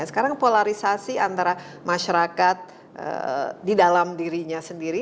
sekarang polarisasi antara masyarakat di dalam dirinya sendiri